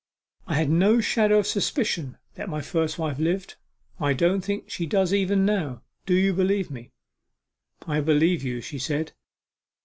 'I had no shadow of suspicion that my first wife lived. I don't think she does even now. Do you believe me?' 'I believe you,' she said.